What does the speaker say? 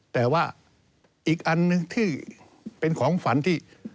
แต่ว่าอีกอันหนึ่งที่เป็นของฝันที่